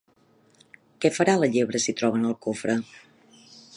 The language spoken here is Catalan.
Què farà la llebre si troben el cofre?